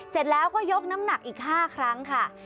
เสร็จแล้วก็ยกน้ำหนักอีก๕ครั้งค่ะ